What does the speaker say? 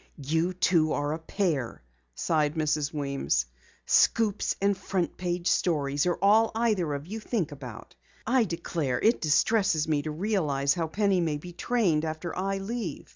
"You two are a pair," sighed Mrs. Weems. "Scoops and front page stories are all either of you think about. I declare, it distresses me to realize how Penny may be trained after I leave."